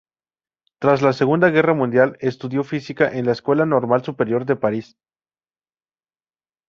Tras la Segunda Guerra Mundial estudió física en la Escuela Normal Superior de París.